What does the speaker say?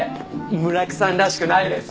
村木さんらしくないですよね。